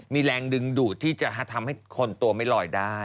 มีแรงดึงดูดที่จะทำให้คนตัวไม่ลอยได้